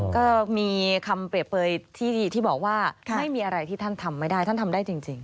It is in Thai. ก็มีคำเปรียบเปลยที่บอกว่าไม่มีอะไรที่ท่านทำไม่ได้ท่านทำได้จริง